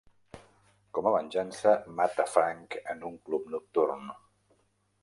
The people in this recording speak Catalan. Com a venjança, mata Frank en un club nocturn.